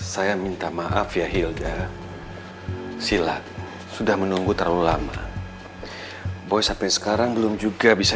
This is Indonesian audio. saya minta maaf ya hilda silat sudah menunggu terlalu lama boy sampai sekarang belum juga bisa